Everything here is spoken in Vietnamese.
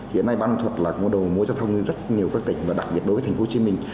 hiện nay ban thuận là một đầu mối giao thông rất nhiều các tỉnh và đặc biệt đối với thành phố hồ chí minh